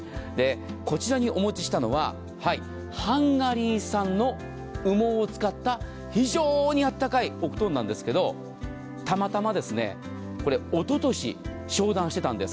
こちらにお持ちしたのはハンガリー産の羽毛を使った非常にあったかいお布団なんですがたまたまおととし、商談していたんです。